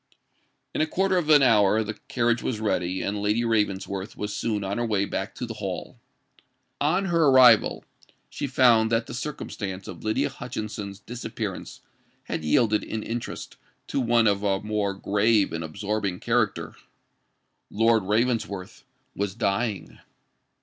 In a quarter of an hour the carriage was ready; and Lady Ravensworth was soon on her way back to the Hall. On her arrival, she found that the circumstance of Lydia Hutchinson's disappearance had yielded in interest to one of a more grave and absorbing character. Lord Ravensworth was dying!